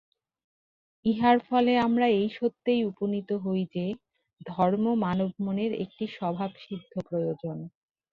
ইহার ফলে আমরা এই সত্যেই উপনীত হই যে, ধর্ম মানব-মনের একটি স্বভাবসিদ্ধ প্রয়োজন।